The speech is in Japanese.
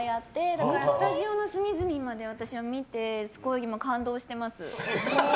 だからスタジオの隅々まで私は見てすごい今感動してます。